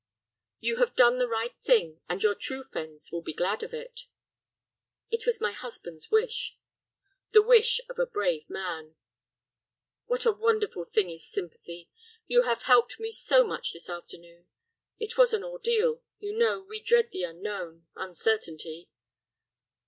"You have done the right thing, and your true friends will be glad of it." "It was my husband's wish." "The wish of a brave man." "What a wonderful thing is sympathy! You have helped me so much this afternoon. It was an ordeal. You know, we dread the unknown—uncertainty."